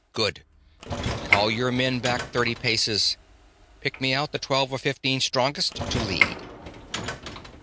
"Good. Call your men back thirty paces. Pick me out the twelve or fifteen strongest, to lead.